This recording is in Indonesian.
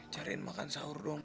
cariin makan sahur dong